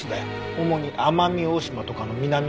主に奄美大島とかの南のほうで。